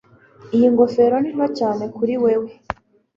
Iyi ngofero ni nto cyane kuri wewe